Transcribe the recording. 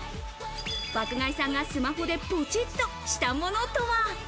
爆買いさんがスマホでポチっとしたものとは？